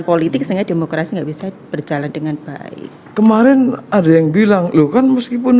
politik x mengedemokrasi maksat berjalan dengan baik kemarin ada yang bilang lu kan meskipun